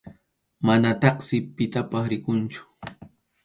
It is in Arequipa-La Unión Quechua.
Manataqsi pitapas rikunchu.